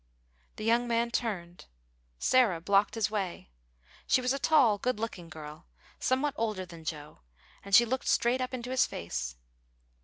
The young man turned. Sarah blocked his way. She was a tall, good looking girl, somewhat older than Joe, and she looked straight up into his face.